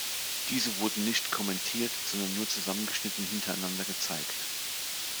Diese wurden nicht kommentiert, sondern nur zusammengeschnitten hintereinander gezeigt.